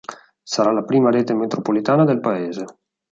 Sarà la prima rete metropolitana del paese.